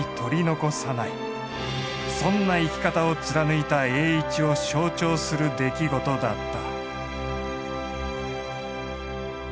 そんな生き方を貫いた栄一を象徴する出来事だった。